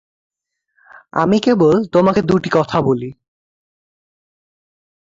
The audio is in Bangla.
আমি কেবল তোমাকে দুটি কথা বলি।